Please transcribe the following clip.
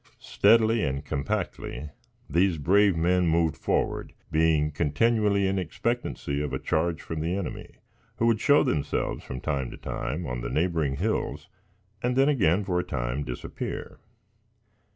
Steadily and compactly these brave men moved forward, being continually in expectancy of a charge from the enemy, who would show themselves, from time to time, on the neighboring hills, and then again, for a time, disappear.